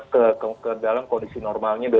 ke dalam kondisi normalnya dua ribu sembilan belas